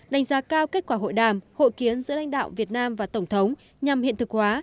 đánh giá cao kết quả hội đàm hội kiến giữa lãnh đạo việt nam và tổng thống nhằm hiện thực hóa